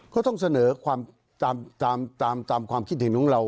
ก็ต้องเสนอตามความคิดถึงของเรา